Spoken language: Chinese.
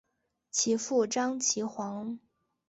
其父张其锽。